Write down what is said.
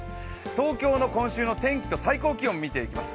東京の今週の天気と最高気温を見ていきます。